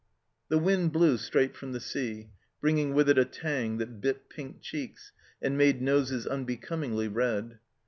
The wind blew straight from the sea, bringing with it a tang that bit pink cheeks and made noses unbecomingly red.